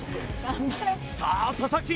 さあ佐々木